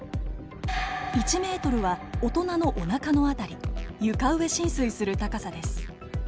１ｍは大人のおなかの辺り床上浸水する高さです。